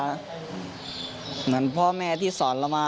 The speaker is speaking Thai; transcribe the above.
เหมือนพ่อแม่ที่สอนเรามา